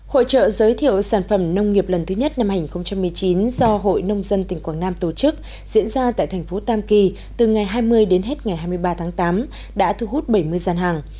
hội trợ giới thiệu sản phẩm nông nghiệp lần thứ nhất năm hai nghìn một mươi chín do hội nông dân tỉnh quảng nam tổ chức diễn ra tại thành phố tam kỳ từ ngày hai mươi đến hết ngày hai mươi ba tháng tám đã thu hút bảy mươi gian hàng